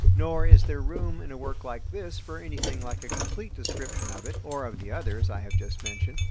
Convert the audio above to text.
Nor is there room in a work like this for anything like a complete description of it, or of the others I have just mentioned.